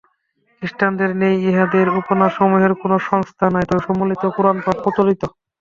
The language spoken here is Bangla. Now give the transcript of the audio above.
খ্রীষ্টানদের ন্যায় ইঁহাদের উপাসনাসমূহের কোন সংস্থা নাই, তবে সম্মিলিত কোরানপাঠ প্রচলিত।